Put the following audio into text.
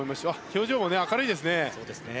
表情も明るいですね。